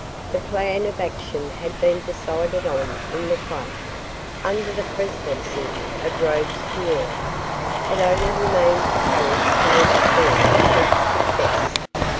The plan of action had been decided on in the Club, under the presidency of Robespierre; it only remained to carry the plans through with success.